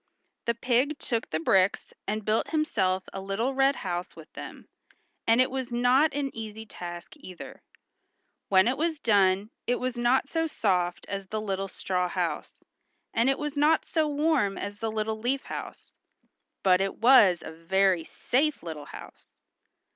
The pig took the bricks and built himself a little red house with them, and it was not an easy task either. When it was done it was not so soft as the little straw house, and it was not so warm as the little leaf house, but it was a very safe little house.